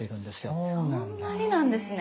そんなになんですね。